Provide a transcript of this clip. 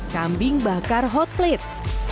kambing bakar hot plate